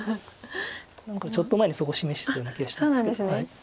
何かちょっと前にそこ示してたような気がしたんですけど。